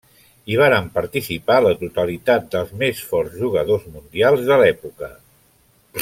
Hi varen participar la totalitat dels més forts jugadors mundials de l’època.